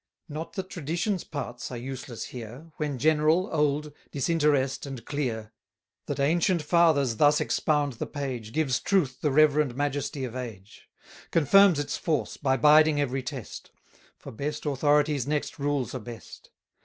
Not that tradition's parts are useless here, When general, old, disinteress'd, and clear: That ancient Fathers thus expound the page, Gives Truth the reverend majesty of age: Confirms its force, by biding every test; For best authority's next rules are best.